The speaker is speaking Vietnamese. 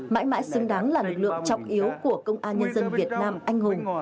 mãi mãi xứng đáng là lực lượng trọng yếu của công an nhân dân việt nam anh hùng